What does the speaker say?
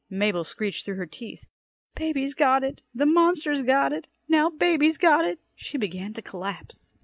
Mabel screeched through her teeth, "Baby's got it, the monster's got it, now baby's got it!" She began to collapse.